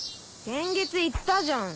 先月行ったじゃん